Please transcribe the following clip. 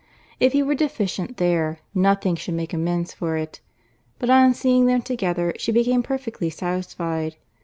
If he were deficient there, nothing should make amends for it. But on seeing them together, she became perfectly satisfied.